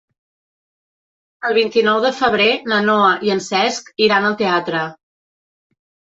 El vint-i-nou de febrer na Noa i en Cesc iran al teatre.